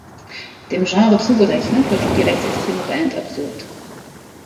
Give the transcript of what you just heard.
Dem Genre zugerechnet wird auch die rechtsextreme Band Absurd.